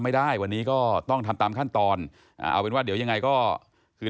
ไม่ได้วันนี้ก็ต้องทำตามขั้นตอนอ่าเอาเป็นว่าเดี๋ยวยังไงก็คือ